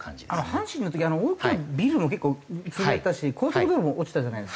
阪神の時大きなビルも結構潰れたし高速道路も落ちたじゃないですか。